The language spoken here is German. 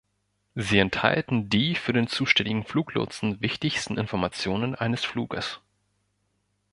Sie enthalten die für den zuständigen Fluglotsen wichtigsten Informationen eines Fluges.